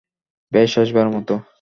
বেশ, শেষবারের মতো।